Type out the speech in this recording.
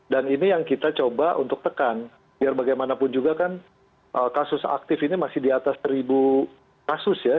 dan ini yang kita coba untuk tekan biar bagaimanapun juga kan kasus aktif ini masih di atas seribu kasus ya